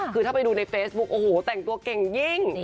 คือถ้าไปดูในเฟซบุ๊คโอ้โหแต่งตัวเก่งยิ่ง